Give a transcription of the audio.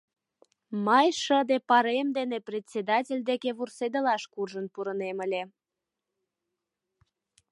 Мый шыде парем дене председатель деке вурседылаш куржын пурынем ыле.